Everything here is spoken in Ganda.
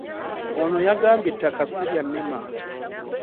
Ono yagambye ettaka ssi lya NEMA.